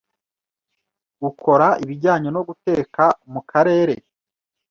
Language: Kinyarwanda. ukora ibijyanye no guteka mu Karere